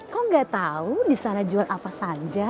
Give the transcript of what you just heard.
kok gak tau di sana jual apa saja